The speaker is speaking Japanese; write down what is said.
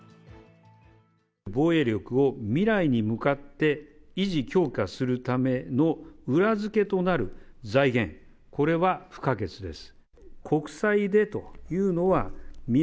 防衛力を未来に向かって維持強化するための裏付けとなる財源、これは不可欠です。